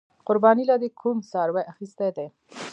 قربانۍ له دې کوم څاروې اغستی دی؟